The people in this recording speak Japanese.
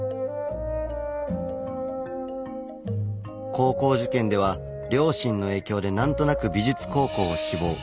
高校受験では両親の影響で何となく美術高校を志望。